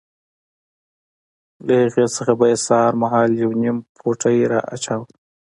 له هغې نه به یې سهار مهال یو نیم پوټی را اچاوه.